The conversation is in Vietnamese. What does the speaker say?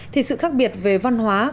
thì sự khác biệt về văn hóa